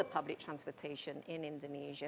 semua transportasi publik di indonesia